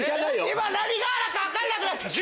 今何瓦か分かんなくなってる。